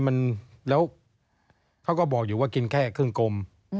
แล้วเขาก็บอกอยู่ว่ากินแค่ครึ่งกลม